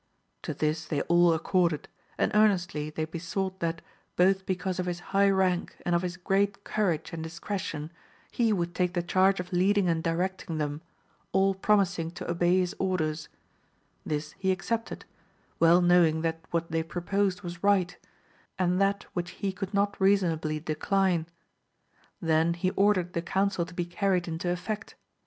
To this they all accorded, and earnestly they besought that, both because of his high rank, and of his great courage and discretion, he would take the charge of leading and directing them, all promising to obey his orders^: this he accepted, well knowing that what they proposed was right, and that which he could not reasonably decline. Then he ordered the counsel to be carried into effect.